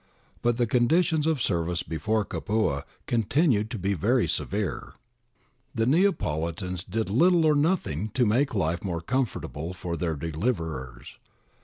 But the con ditions of service before Capua continued to be very severe. The Neapolitans did little or nothing to make life more comfortable for their deliverers.